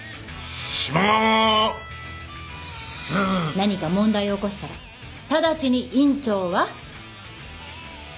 何か問題を起こしたら直ちに院長は？